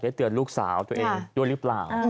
เตือนลูกสาวตัวเองด้วยหรือเปล่า